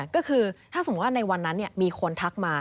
ก็คือถ้าสมมุติว่าในวันนั้นมีคนทักมา